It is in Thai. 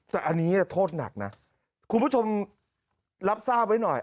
แต่อันนี้โทษหนักนะคุณผู้ชมรับทราบไว้หน่อย